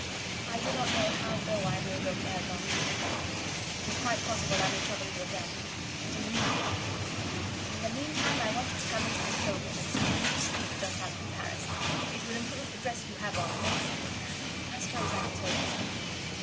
"I do not know how low I may look ere long, Mrs. Dunn. It is quite possible I may trouble you again, but in the meantime " "In the meantime I want you to come into the show room and see the new sleeve just out from Paris it would improve the dress you have on amazingly. I suppose that was made in Swinton.